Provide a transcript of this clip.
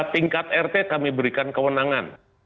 tingkat rt kami berikan kewenangan